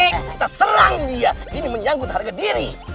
kita serang dia ini menyangkut harga diri